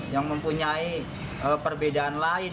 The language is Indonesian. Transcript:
yang mempunyai perbedaan lain